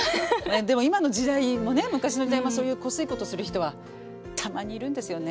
でも今の時代もね昔の時代もそういうこすいことする人はたまにいるんですよね。